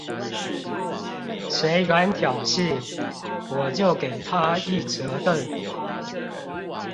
誰敢挑釁，我就給他一折凳！